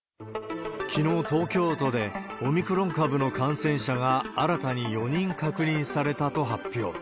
きのう、東京都で、オミクロン株の感染者が新たに４人確認されたと発表。